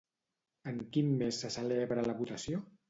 En quin mes se celebra la votació?